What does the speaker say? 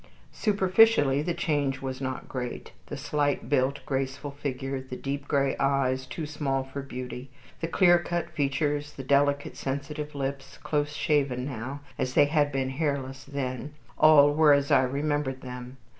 Superficially the change was not great. The slight built, graceful figure; the deep gray eyes, too small for beauty; the clear cut features, the delicate, sensitive lips, close shaven now, as they had been hairless then, all were as I remembered them.